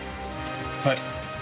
はい。